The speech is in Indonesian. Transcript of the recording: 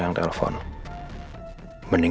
saya sudah bisa mengangkat telpon